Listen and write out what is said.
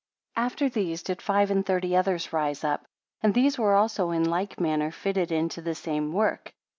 32 After these did fire and thirty others rise up; and these were also in like manner fitted into the same work.